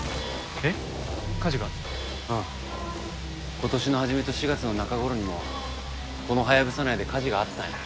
今年の初めと４月の中頃にもこのハヤブサ内で火事があったんや。